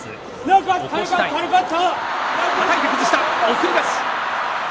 送り出し。